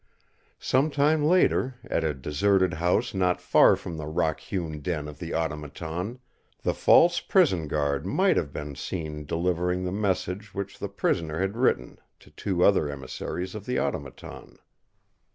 Some time later, at a deserted house not far from the rock hewn den of the Automaton, the false prison guard might have been seen delivering the message which the prisoner had written to two other emissaries of the Automaton.